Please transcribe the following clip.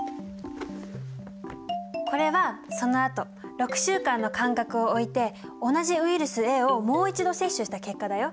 これはそのあと６週間の間隔をおいて同じウイルスＡをもう一度接種した結果だよ。